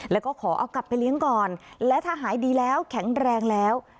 แล้วก็ขอเอากลับไปเลี้ยงก่อนและถ้าหายดีแล้วแข็งแรงแล้ว